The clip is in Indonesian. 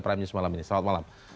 prime news malam ini selamat malam